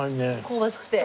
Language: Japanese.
香ばしくて。